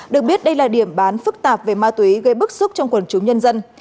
được biết đây là điểm bán phức tạp về ma túy gây bức xúc trong quần chúng nhân dân